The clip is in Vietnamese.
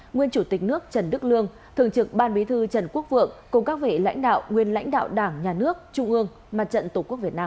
nguyên chủ tịch nước trần đức lương thường trực ban bí thư trần quốc vượng cùng các vị lãnh đạo nguyên lãnh đạo đảng nhà nước trung ương mặt trận tổ quốc việt nam